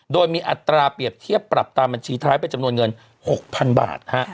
โดยมีอัตราเปรียบเทียบปรับตามบัญชีท้ายเป็นจำนวนเงิน๖๐๐๐บาท